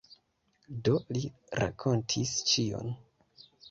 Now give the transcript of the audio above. Do li rakontis ĉion.